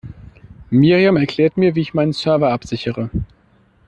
Miriam erklärt mir, wie ich meinen Server absichere.